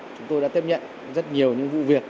chúng tôi đã tiếp nhận rất nhiều vụ việc